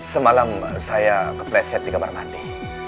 semalam saya kepleset di kamar mandi